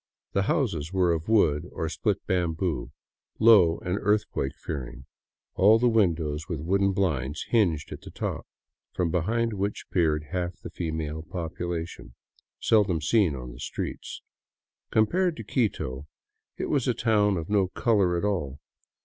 The houses were of wood or split bamboo, low and earthquake fearing, all the windows with wooden blinds hinged at the top, from behind which peered half the female population, seldom seen on the streets. Compared to Quito, it was a town of no color at all.